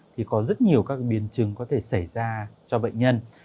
thì có rất nhiều các biến chứng có thể xảy ra cho bệnh nhân